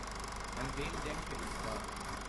An wen denke ich da?